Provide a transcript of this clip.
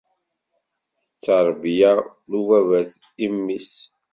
Tterbiya n ubabat i mmi-s.